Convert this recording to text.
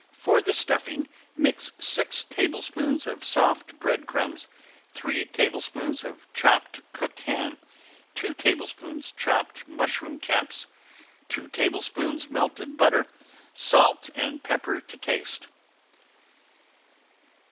For the stuffing mix six tablespoons of soft bread crumbs, three tablespoons of chopped cooked ham, two tablespoons chopped mushroom caps, two tablespoons melted butter, salt and pepper to taste.